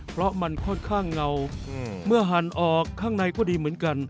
เพราะมันค่อนข้างเงาเมื่อหั่นออกข้างในก็ดีเหมือนกัน